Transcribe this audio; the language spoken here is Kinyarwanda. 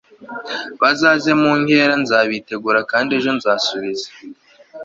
bazaze mu nkera nzabitegura kandi ejo nzasubiza